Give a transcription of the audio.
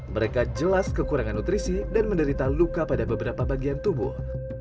mereka jelas kekurangan nutrisi dan menderita luka pada beberapa bagian tubuh